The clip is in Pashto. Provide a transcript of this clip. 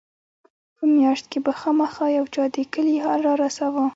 په مياشت کښې به خامخا يو چا د کلي حال رارساوه.